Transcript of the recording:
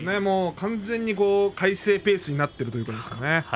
完全に魁聖ペースになっているということですね。